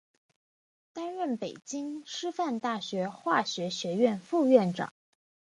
担任北京师范大学化学学院副院长。